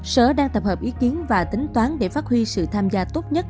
sở đang tập hợp ý kiến và tính toán để phát huy sự tham gia tốt nhất